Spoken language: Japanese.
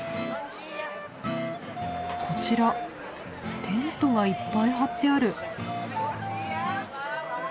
こちらテントがいっぱい張ってある。